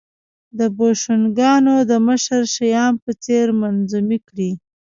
د بوشونګانو د مشر شیام په څېر منظمې کړې